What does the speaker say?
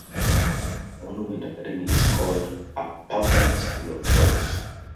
Monument Academy is called a Public School of Choice.